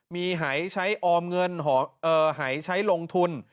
มีหายใช้ออมเงินหายใช้ลงทุน